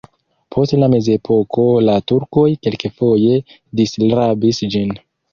Post la mezepoko la turkoj kelkfoje disrabis ĝin.